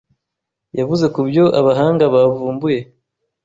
yavuze ku byo abahanga bavumbuye